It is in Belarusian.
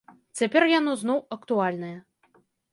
Цяпер яно зноў актуальнае.